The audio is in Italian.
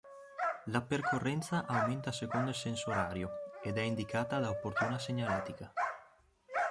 La percorrenza aumenta secondo il senso orario ed è indicata da opportuna segnaletica.